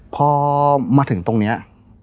พอมาถึงตรงนี้